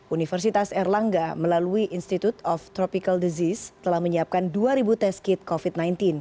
universitas erlangga melalui institute of tropical disease telah menyiapkan dua tes kit covid sembilan belas